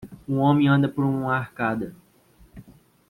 um homem anda por uma arcada.